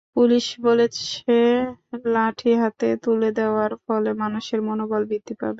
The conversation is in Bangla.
পুলিশ বলছে, লাঠি হাতে তুলে দেওয়ার ফলে মানুষের মনোবল বৃদ্ধি পাবে।